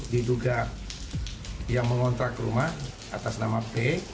diduga yang mengontrak rumah atas nama p